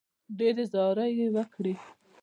ډېرې زارۍ یې وکړې.